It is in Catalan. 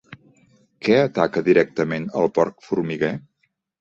Què ataca directament el porc formiguer?